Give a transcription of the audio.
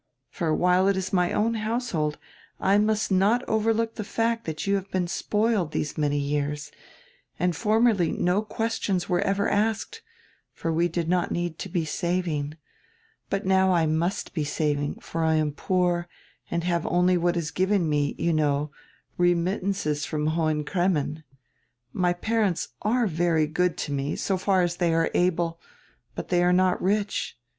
For, while it is my own household, I must not overlook die fact diat you have been spoiled these many years, and formerly no questions were ever asked, for we did not need to be saving; but now I must be saving, for I am poor and have only what is given me, you know, remittances from Hohen Cremmen. My parents are very good to me, so far as they are able, but they are not rich.